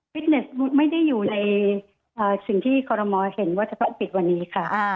เน็ตไม่ได้อยู่ในสิ่งที่คอรมอลเห็นว่าจะต้องปิดวันนี้ค่ะ